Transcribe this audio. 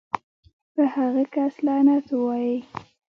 پۀ هغه کس لعنت اووائې